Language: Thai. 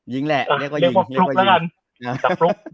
ยิงแหละเรียกว่ายิง